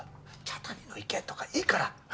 茶谷の意見とかいいから！